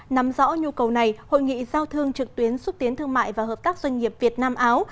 nắm rõ nhu cầu này hội nghị giao thương trực tuyến xúc tiến thương mại và hợp tác doanh nghiệp việt nam áo